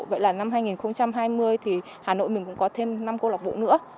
vậy là năm hai nghìn hai mươi thì hà nội mình cũng có thêm năm câu lạc bộ nữa